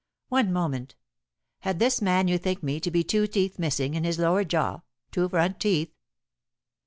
"One moment. Had this man you think me to be two teeth missing in his lower jaw two front teeth?"